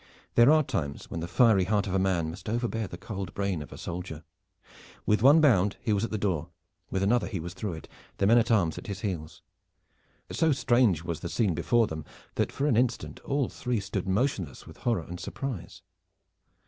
There are times when the fiery heart of a man must overbear the cold brain of a soldier. With one bound he was at the door, with another he was through it, the men at arms at his heels. So strange was the scene before them that for an instant all three stood motionless with horror and surprise.